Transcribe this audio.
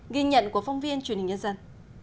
ghi nhận của phong viên truyền hình nhân dân